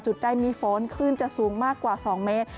จุดใดมีฝนขึ้นจะสูงมากกว่า๒เมตร